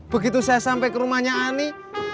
begitu saya sampai ke rumahnya ani